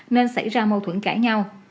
nên xảy ra mâu thuẫn cãi nhau